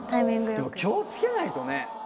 でも気を付けないとね。